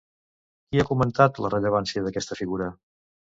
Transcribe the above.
Qui ha comentat la rellevància d'aquesta figura?